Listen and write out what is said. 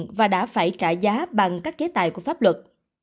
cơ quan chức năng phát hiện sẽ trả giá bằng các kế tài của pháp luật